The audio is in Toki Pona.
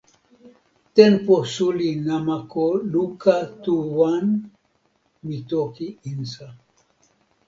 tenpo suli namako luka tu wan, mi toki insa.